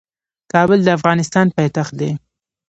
کابل د افغانستان پايتخت دی.